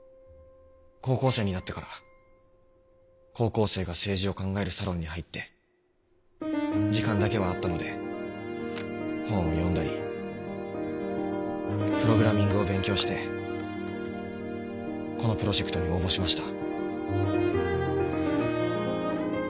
高校生になってから高校生が政治を考えるサロンに入って時間だけはあったので本を読んだりプログラミングを勉強してこのプロジェクトに応募しました。